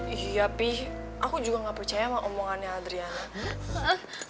iya pih aku juga gak percaya sama omongannya adriana